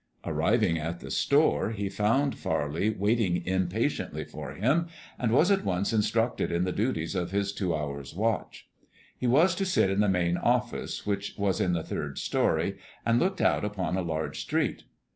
Arriving at the store he found Farley waiting impatiently for him, and was at once instructed in the duties of his two hours' watch. He was to sit in the main office, which was in the third story and looked out upon a large street.